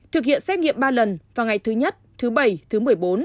thực hiện xét nghiệm ba lần vào ngày thứ nhất thứ bảy thứ một mươi bốn